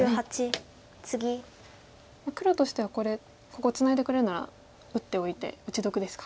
黒としてはこれここツナいでくれるなら打っておいて打ち得ですか。